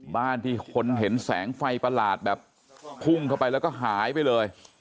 บ้านที่คนเห็นแสงไฟประหลาดแบบพุ่งเข้าไปแล้วก็หายไปเลย